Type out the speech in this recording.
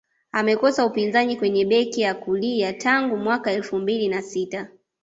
amekosa upinzani kwenye beki ya kulia tangu mwaka elfu mbili na sita